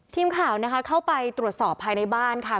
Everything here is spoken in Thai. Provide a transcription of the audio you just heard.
ทีมข่าวนะคะเข้าไปตรวจสอบภายในบ้านค่ะ